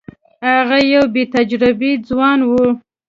هغه یو بې تجربې ځوان وو.